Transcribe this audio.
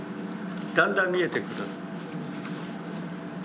だんだん見えてくる。